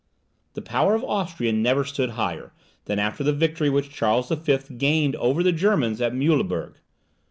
The power of Austria never stood higher than after the victory which Charles V. gained over the Germans at Muehlberg.